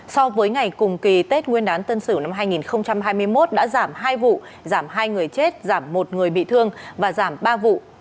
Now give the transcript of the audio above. so với ngày cùng kỳ tết nguyên đán tân sửu năm hai nghìn hai mươi một đã giảm hai vụ giảm hai người chết giảm một người bị thương và giảm ba vụ